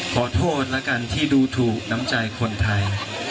ขอโทษแล้วกันที่ดูถูกน้ำใจคนไทย